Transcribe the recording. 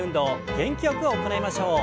元気よく行いましょう。